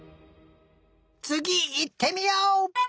つぎいってみよう！